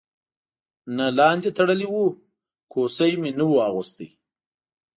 نه لاندې تړلی و، کوسۍ مې نه وه اغوستې.